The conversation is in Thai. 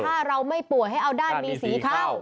ถ้าเราไม่ป่วยให้เอาด้านมีสีเข้า